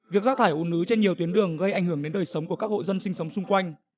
việc rác thải u nứ trên nhiều tuyến đường gây ảnh hưởng đến đời sống của các hộ dân sinh sống xung quanh